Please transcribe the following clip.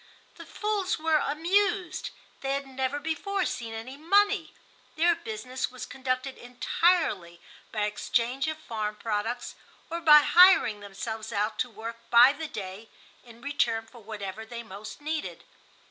The fools were amused. They had never before seen any money. Their business was conducted entirely by exchange of farm products or by hiring themselves out to work by the day in return for whatever they most needed.